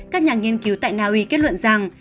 các nhà nghiên cứu tại naui kết luận rằng